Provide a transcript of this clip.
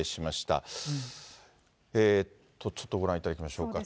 ちょっとご覧いただきましょうか。